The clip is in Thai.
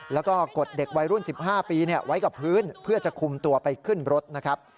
แล้วก็กดเด็กวัยรุ่น๑๕ปีไว้กับพื้นเพื่อจะคุมตัวไปขึ้นรถนะครับ